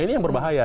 ini yang berbahaya